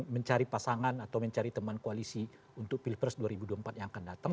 mencari pasangan atau mencari teman koalisi untuk pilpres dua ribu dua puluh empat yang akan datang